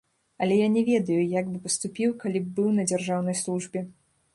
Але я не ведаю, як бы паступіў, калі б быў на дзяржаўнай службе.